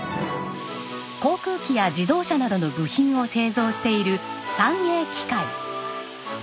航空機や自動車などの部品を製造している三栄機械。